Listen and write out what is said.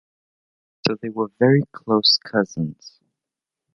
So they were very close cousins.